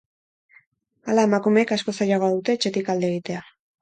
Hala, emakumeek askoz zailagoa dute etxetik alde egitea.